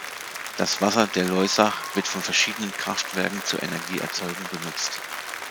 Das Wasser der Loisach wird von verschiedenen Kraftwerken zur Energieerzeugung genutzt.